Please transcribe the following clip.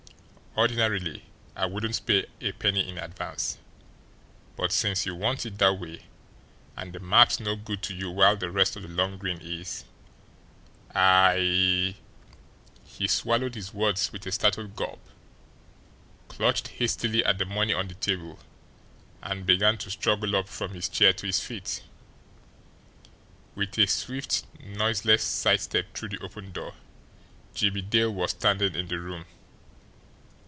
Ordinarily, I wouldn't pay a penny in advance, but since you want it that way and the map's no good to you while the rest of the long green is, I " He swallowed his words with a startled gulp, clutched hastily at the money on the table, and began to struggle up from his chair to his feet. With a swift, noiseless side step through the open door, Jimmie Dale was standing in the room.